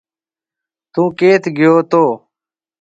ٿُون ڪيٿ گيو تو